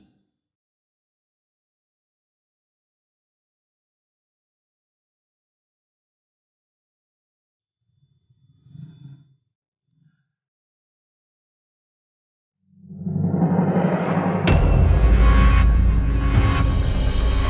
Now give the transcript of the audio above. sampai puyuh amat